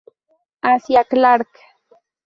Asia" Clark.